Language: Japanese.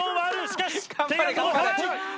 しかし手が届かない！